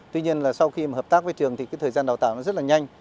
tuy nhiên là sau khi mà hợp tác với trường thì cái thời gian đào tạo nó rất là nhanh